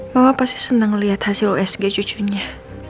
mama pasti seneng liat hasil usg cucunya